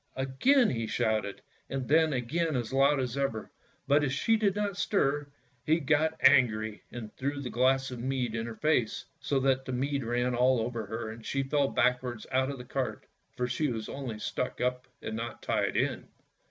" Again he shouted, and then again as loud as ever, but as she did not stir, he got angry and threw the glass of mead in her face, so that the mead ran all over her, and she fell backwards out of the cart, for she was only stuck up and not tied in.